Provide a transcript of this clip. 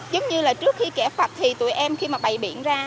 giống như là trước khi kẻ phạt thì tụi em khi mà bày biển ra